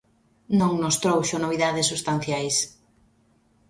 Non nos trouxo novidades substanciais.